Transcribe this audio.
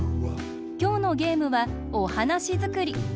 きょうのゲームはおはなしづくり。